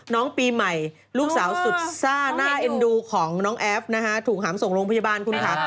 น้องปีใหม่ลูกสาวสุดซ่าน่าเอ็นดูของน้องแอฟนะคะถูกหามส่งโรงพยาบาลคุณค่ะ